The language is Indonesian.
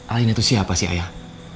alin itu siapa sih ayah